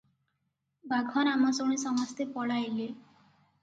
ବାଘ ନାମ ଶୁଣି ସମସ୍ତେ ପଳାଇଲେ ।